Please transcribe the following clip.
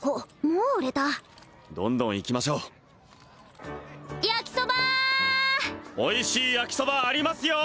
もう売れたどんどんいきましょう焼きそばおいしい焼きそばありますよ